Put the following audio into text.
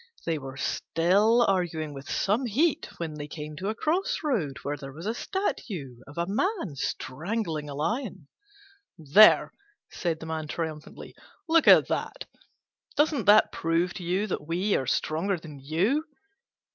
They were still arguing with some heat when they came to a cross road where there was a statue of a Man strangling a Lion. "There!" said the Man triumphantly, "look at that! Doesn't that prove to you that we are stronger than you?"